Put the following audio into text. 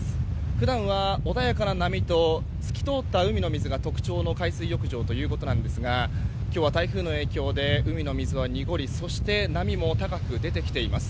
普段は穏やかな波と透き通った海が特徴の海水浴場ということですが今日は台風の影響で海の水は濁りそして波も高く出てきています。